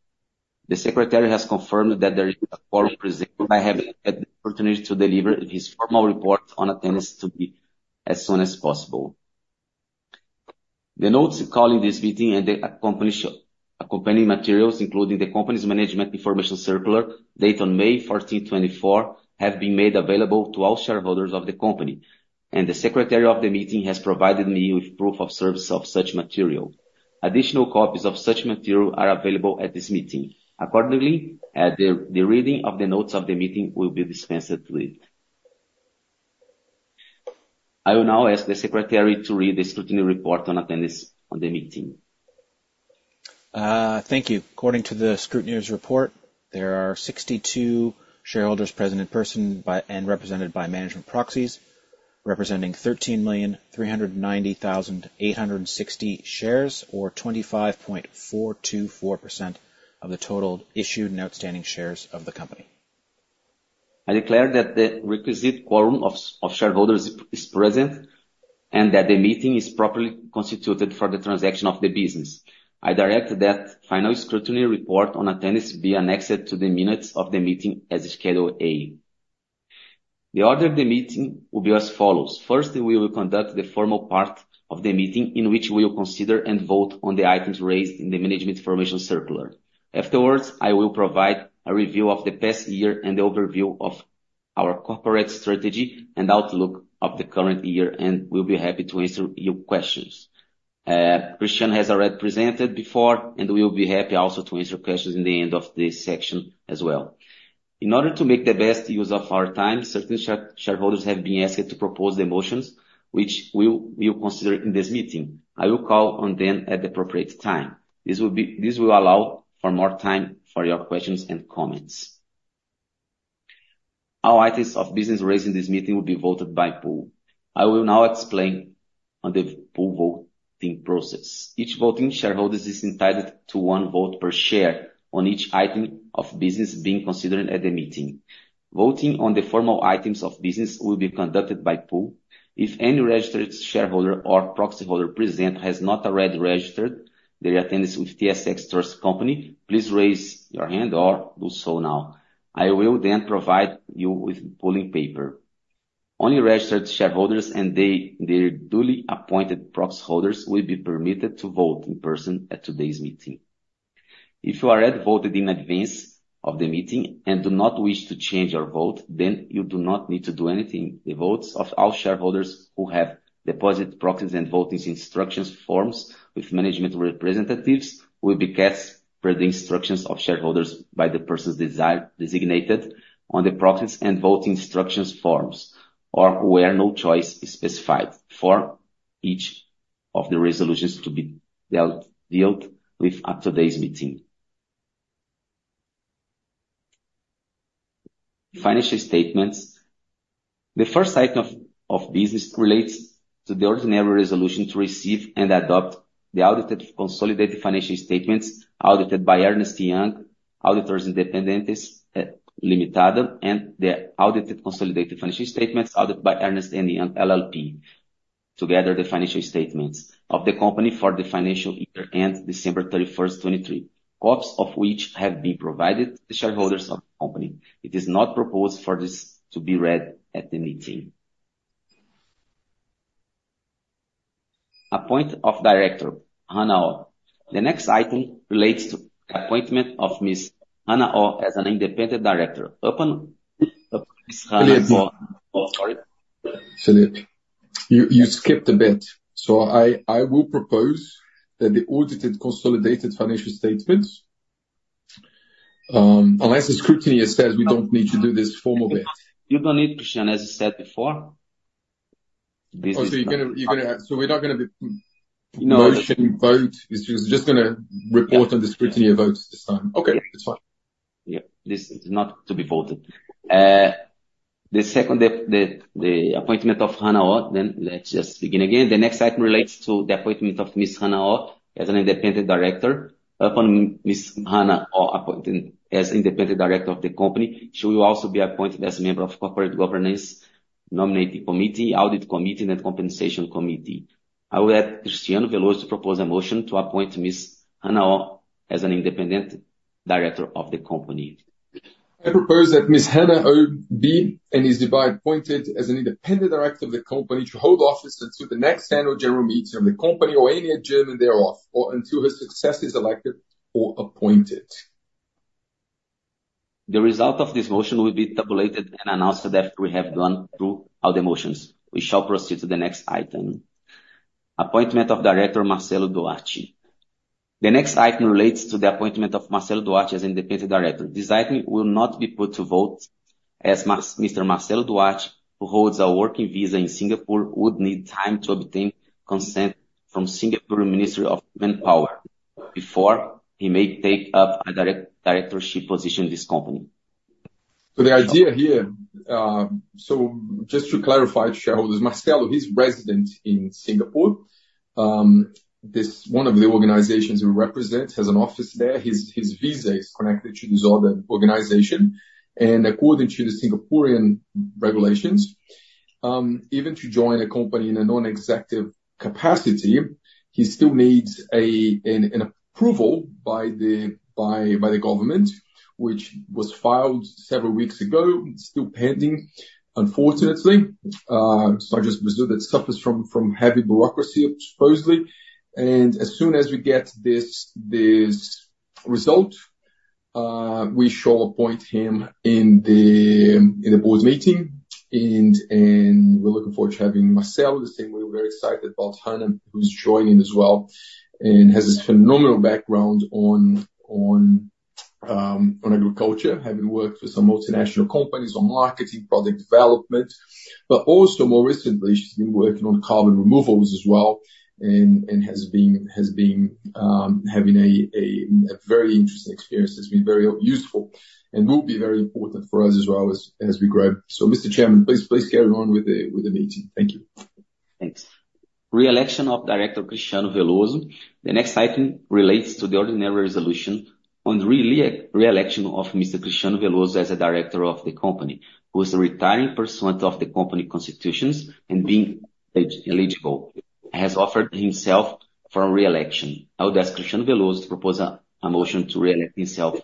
The secretary has confirmed that there is a quorum present. I have the opportunity to deliver his formal report on attendance to be as soon as possible. The notices calling this meeting and the accompanying materials, including the company's management information circular dated May 14th, 2024, have been made available to all shareholders of the company. The secretary of the meeting has provided me with proof of service of such material. Additional copies of such material are available at this meeting. Accordingly, the reading of the notices of the meeting will be dispensed with. I will now ask the secretary to read the scrutineer report on attendance at the meeting. Thank you. According to the scrutineer's report, there are 62 shareholders present in person and represented by management proxies, representing 13,390,860 shares, or 25.424% of the total issued and outstanding shares of the company. I declare that the requisite quorum of shareholders is present and that the meeting is properly constituted for the transaction of the business. I direct that final scrutiny report on attendance be annexed to the minutes of the meeting as Schedule A. The order of the meeting will be as follows. First, we will conduct the formal part of the meeting in which we will consider and vote on the items raised in the management information circular. Afterwards, I will provide a review of the past year and the overview of our corporate strategy and outlook of the current year, and we'll be happy to answer your questions. Cristiano has already presented before, and we'll be happy also to answer questions in the end of this section as well. In order to make the best use of our time, certain shareholders have been asked to propose the motions which we'll consider in this meeting. I will call on them at the appropriate time. This will allow for more time for your questions and comments. All items of business raised in this meeting will be voted by poll. I will now explain the poll voting process. Each voting shareholder is entitled to one vote per share on each item of business being considered at the meeting. Voting on the formal items of business will be conducted by poll. If any registered shareholder or proxy holder present has not already registered their attendance with TSX Trust Company, please raise your hand or do so now. I will then provide you with polling paper. Only registered shareholders and their duly appointed proxy holders will be permitted to vote in person at today's meeting. If you have voted in advance of the meeting and do not wish to change your vote, then you do not need to do anything. The votes of all shareholders who have deposited proxies and voting instructions forms with management representatives will be cast per the instructions of shareholders by the persons designated on the proxies and voting instructions forms or where no choice is specified for each of the resolutions to be dealt with at today's meeting. Financial statements. The first item of business relates to the ordinary resolution to receive and adopt the audited consolidated financial statements audited by Ernst & Young Auditores Independentes S.S. and the audited consolidated financial statements audited by Ernst & Young LLP together the financial statements of the company for the financial year end December 31st, 2023, copies of which have been provided to the shareholders of the company. It is not proposed for this to be read at the meeting. Appointment of Director, Hannah Oh. The next item relates to appointment of Ms. Hannah Oh as an Independent Director. Philip, you skipped a bit. I will propose that the audited consolidated financial statements, unless the scrutineer says we don't need to do this formal bit. You don't need, Cristiano, as you said before. Okay. You're going to have so we're not going to be motioning vote. It's just going to report on the scrutiny of votes this time. Okay. It's fine. Yeah. This is not to be voted. The second, the appointment of Hannah Oh, then let's just begin again. The next item relates to the appointment of Ms. Hannah Oh as an Independent Director. Ms. Hannah Oh as Independent Director of the company. She will also be appointed as a member of corporate governance nominating committee, audit committee, and compensation committee. I will have Cristiano Veloso propose a motion to appoint Ms. Hannah Oh as an Independent Director of the company. I propose that Ms. Hannah Oh be and is to be appointed as an Independent Director of the company to hold office until the next annual general meeting of the company or any adjournment thereof or until her successor is elected or appointed. The result of this motion will be tabulated and announced after we have gone through all the motions. We shall proceed to the next item. Appointment of Director Marcelo Duarte. The next item relates to the appointment of Marcelo Duarte as Independent Director. This item will not be put to vote as Mr. Marcelo Duarte, who holds a working visa in Singapore, would need time to obtain consent from Singapore Ministry of Manpower before he may take up a directorship position in this company. So the idea here, just to clarify to shareholders, Marcelo. He's resident in Singapore. One of the organizations he represents has an office there. His visa is connected to this other organization. And according to the Singaporean regulations, even to join a company in a non-executive capacity, he still needs an approval by the government, which was filed several weeks ago, still pending, unfortunately. So I just presume that suffers from heavy bureaucracy, supposedly. And as soon as we get this result, we shall appoint him in the board meeting. And we're looking forward to having Marcelo. The same way, we're very excited about Hannah, who's joining as well and has this phenomenal background on agriculture, having worked with some multinational companies on marketing, product development. But also, more recently, she's been working on carbon removals as well and has been having a very interesting experience. It's been very useful and will be very important for us as well as we grow. Mr. Chairman, please carry on with the meeting. Thank you. Thanks. Re-election of Director Cristiano Veloso. The next item relates to the ordinary resolution on re-election of Mr. Cristiano Veloso as a director of the company, who is retiring pursuant to the company's constitution and being eligible. He has offered himself for re-election. I would ask Cristiano Veloso to propose a motion to re-elect himself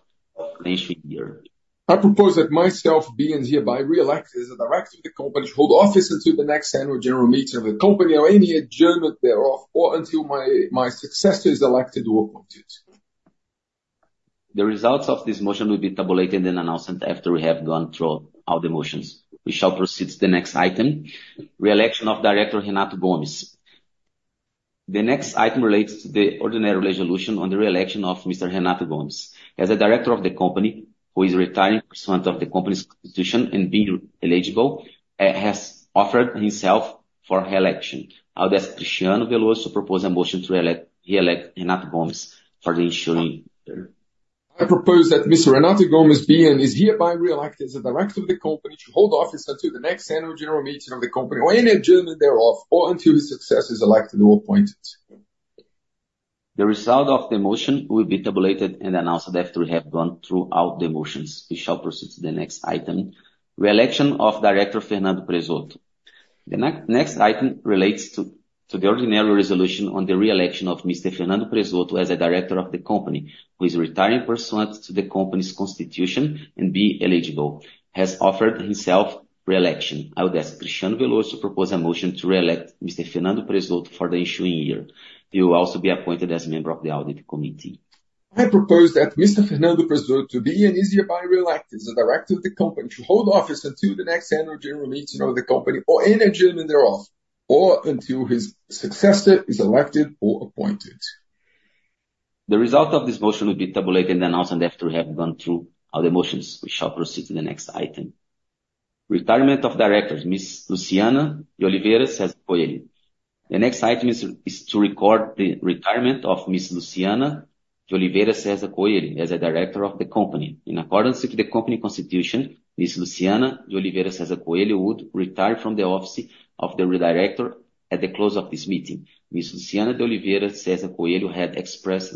next year. I propose that myself being here, by re-electing as a director of the company, to hold office until the next annual general meeting of the company or any adjournment thereof or until my successor is elected or appointed. The results of this motion will be tabulated and announced after we have gone through all the motions. We shall proceed to the next item. Re-election of Director Renato Gomes. The next item relates to the ordinary resolution on the re-election of Mr. Renato Gomes. As a director of the company, who is a retiring pursuant of the company's constitution and being eligible, he has offered himself for re-election. I would ask Cristiano Veloso to propose a motion to re-elect Renato Gomes for the ensuring that. I propose that Mr. Renato Gomes is hereby re-elected as a director of the company to hold office until the next annual general meeting of the company or any adjournment thereof or until his successor is elected or appointed. The result of the motion will be tabulated and announced after we have gone through all the motions. We shall proceed to the next item. Re-election of Director Fernando Prezzotto. The next item relates to the ordinary resolution on the re-election of Mr. Fernando Prezzotto as a director of the company, who is retiring pursuant to the company's constitution and, being eligible, has offered himself for re-election. I would ask Cristiano Veloso to propose a motion to re-elect Mr. Fernando Prezzotto for the ensuing year. He will also be appointed as a member of the audit committee. I propose that Mr. Fernando Prezzotto be and is hereby re-elected as a director of the company to hold office until the next annual general meeting of the company or any adjournment thereof or until his successor is elected or appointed. The result of this motion will be tabulated and announced after we have gone through all the motions. We shall proceed to the next item. Retirement of Directors, Ms. Luciana de Oliveira Cezar Coelho. The next item is to record the retirement of Ms. Luciana de Oliveira Cezar Coelho as a director of the company. In accordance with the company constitution, Ms. Luciana de Oliveira Cezar Coelho would retire from the office of the director at the close of this meeting. Ms. Luciana de Oliveira Cezar Coelho had expressed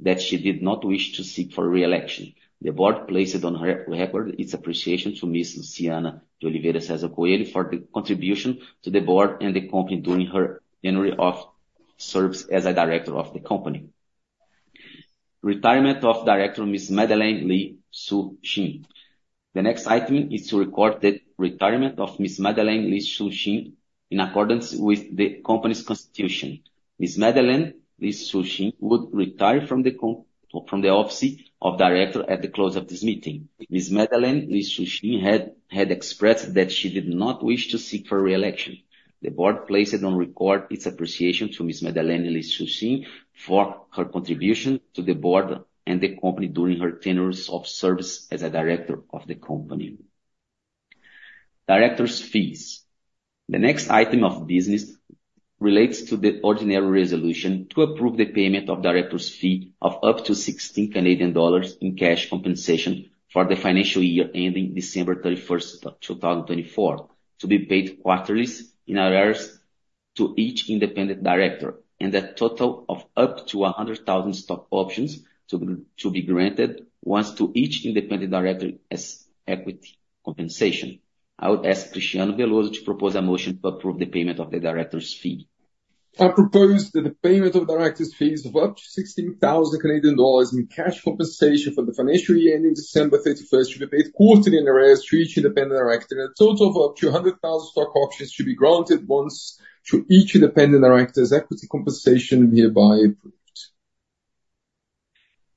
that she did not wish to seek for re-election. The board placed on record its appreciation to Ms. Luciana de Oliveira Cezar Coelho for the contribution to the board and the company during her annual service as a director of the company. Retirement of Director, Ms. Madeleine Lee Su Xin. The next item is to record the retirement of Ms. Madeleine Lee Su Xin in accordance with the company's constitution. Ms. Madeleine Lee Su Xin would retire from the office of director at the close of this meeting. Ms. Madeleine Lee Su Xin had expressed that she did not wish to seek for re-election. The board placed on record its appreciation to Ms. Madeleine Lee Su Xin for her contribution to the board and the company during her tenure of service as a director of the company. Director's fees. The next item of business relates to the ordinary resolution to approve the payment of director's fee of up to 16,000 Canadian dollars in cash compensation for the financial year ending December 31st, 2024, to be paid quarterly in arrears to each Independent Director and a total of up to 100,000 stock options to be granted once to each Independent Director as equity compensation. I would ask Cristiano Veloso to propose a motion to approve the payment of the director's fee. I propose that the payment of director's fees of up to 16,000 Canadian dollars in cash compensation for the financial year ending December 31st to be paid quarterly in arrears to each Independent Director and a total of up to 100,000 stock options to be granted once to each Independent Director as equity compensation hereby approved.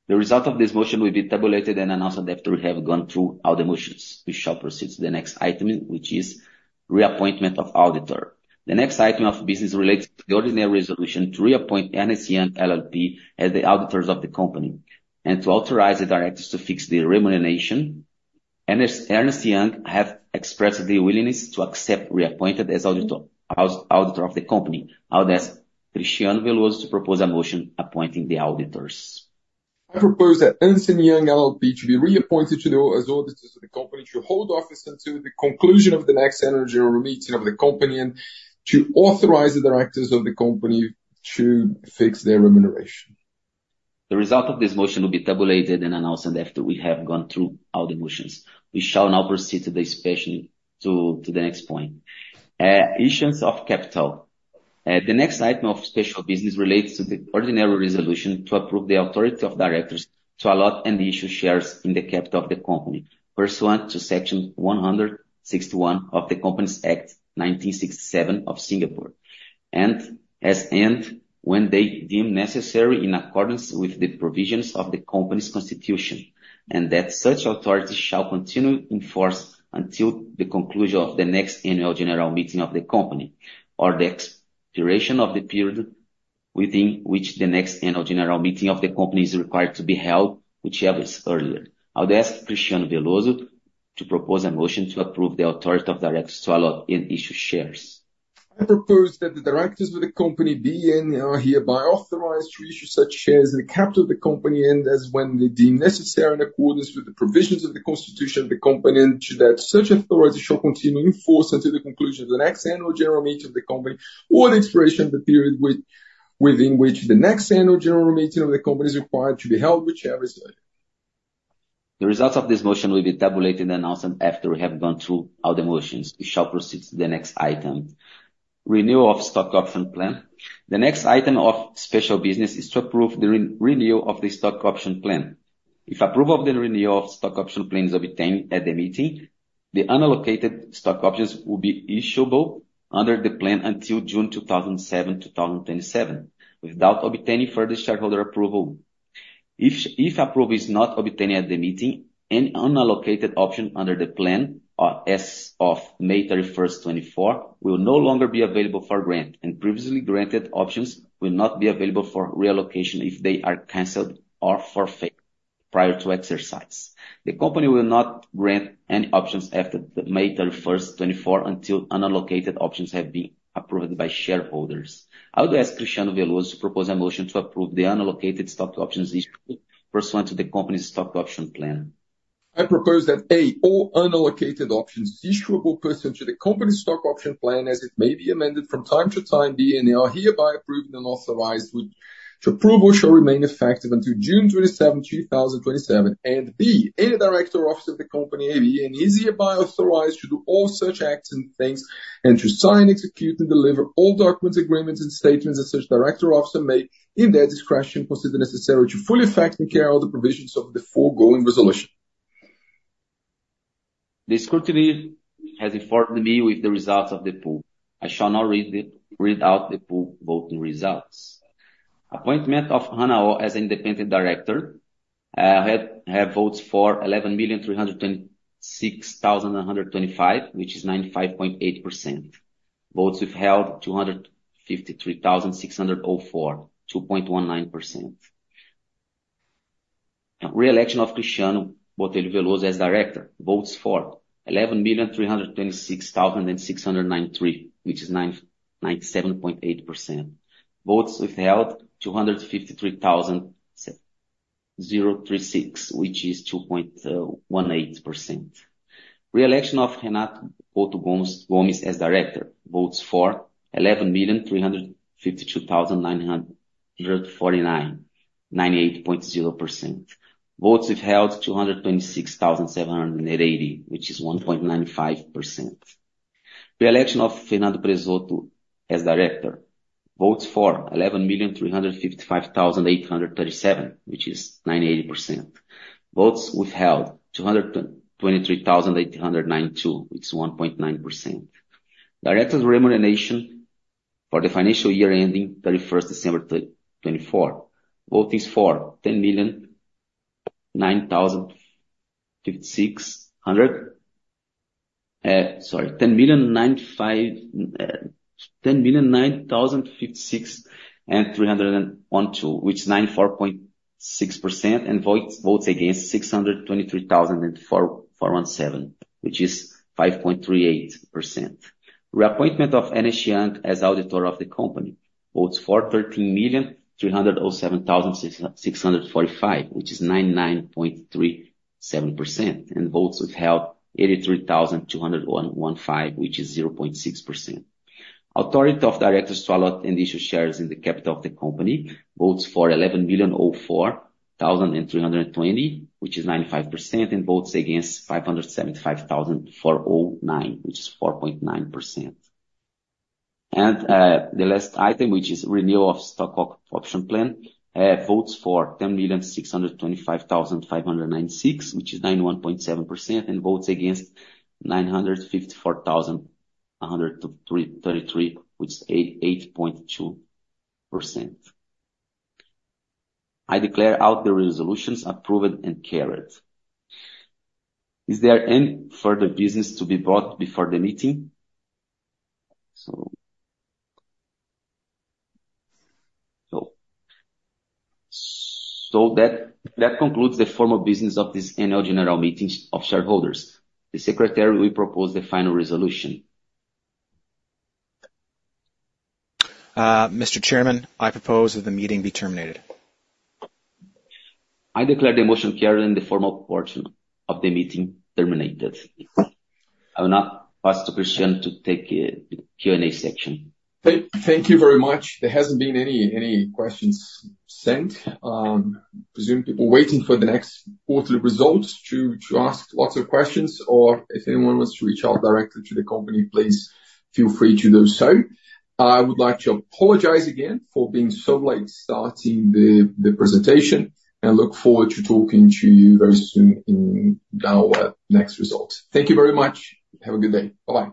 The result of this motion will be tabulated and announced after we have gone through all the motions. We shall proceed to the next item, which is re-appointment of auditor. The next item of business relates to the ordinary resolution to re-appoint Ernst & Young LLP as the auditors of the company and to authorize the directors to fix the remuneration. Ernst & Young have expressed their willingness to accept re-appointed as auditor of the company. I would ask Cristiano Veloso to propose a motion appointing the auditors. I propose that Ernst & Young LLP to be re-appointed as auditors of the company to hold office until the conclusion of the next annual general meeting of the company and to authorize the directors of the company to fix their remuneration. The result of this motion will be tabulated and announced after we have gone through all the motions. We shall now proceed to the next point. Issues of capital. The next item of special business relates to the ordinary resolution to approve the authority of directors to allot and issue shares in the capital of the company pursuant to Section 161 of the Companies Act 1967 of Singapore and as and when they deem necessary in accordance with the provisions of the company's constitution Renewal of stock option plan. The next item of special business is to approve the renewal of the stock option plan. If approval of the renewal of stock option plan is obtained at the meeting, the unallocated stock options will be issuable under the plan until June 2027, without obtaining further shareholder approval. If approval is not obtained at the meeting, any unallocated option under the plan as of May 31st, 2024, will no longer be available for grant, and previously granted options will not be available for reallocation if they are canceled or forfeited prior to exercise. The company will not grant any options after May 31st, 2024 until unallocated options have been approved by shareholders. I would ask Cristiano Veloso to propose a motion to approve the unallocated stock options issuable pursuant to the company's stock option plan. I propose that, A, all unallocated options issuable pursuant to the company's stock option plan as it may be amended from time to time be and are hereby approved and authorized to approve or shall remain effective until June 27th, 2027, and, B, any director or officer of the company may be and is hereby authorized to do all such acts and things and to sign, execute, and deliver all documents, agreements, and statements as such director or officer may, in their discretion, consider necessary to fully effect and carry out the provisions of the foregoing resolution. The scrutineer has informed me with the results of the poll. I shall now read out the poll voting results. Appointment of Hannah Oh as an Independent Director had votes for 11,326,125, which is 95.8%. Votes withheld 253,604, 2.19%. Re-election of Cristiano Botelho Veloso as director. Votes for 11,326,693, which is 97.8%. Votes withheld 253,036, which is 2.18%. Re-election of Renato Gomes as director. Votes for 11,352,949, 98.0%. Votes withheld 226,780, which is 1.95%. Re-election of Fernando Prezzotto as director. Votes for 11,355,837, which is 98%. Votes withheld 223,892, which is 1.9%. Director's remuneration for the financial year ending 31st December 2024. Votes for 10,956,000 sorry, 10,956,301, which is 94.6%, and votes against 623,417, which is 5.38%. Re-appointment of Ernst & Young as auditor of the company. Votes for 13,307,645, which is 99.37%, and votes withheld 83,215, which is 0.6%. Authority of directors to allot and issue shares in the capital of the company. Votes for 11,004,320, which is 95%, and votes against 575,409, which is 4.9%. The last item, which is renewal of stock option plan. Votes for 10,625,596, which is 91.7%, and votes against 954,133, which is 8.2%. I declare the resolutions approved and carried. Is there any further business to be brought before the meeting? That concludes the formal business of this annual general meeting of shareholders. The secretary will propose the final resolution. Mr. Chairman, I propose that the meeting be terminated. I declare the motion carried and the formal portion of the meeting terminated. I will now pass to Cristiano to take the Q&A section. Thank you very much. There hasn't been any questions sent. Presumably, we're waiting for the next quarterly results to ask lots of questions, or if anyone wants to reach out directly to the company, please feel free to do so. I would like to apologize again for being so late starting the presentation and look forward to talking to you very soon in our next results. Thank you very much. Have a good day. Bye-bye.